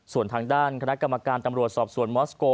ส่วนทางด้านคณะกรรมการตำรวจสอบสวนมอสโก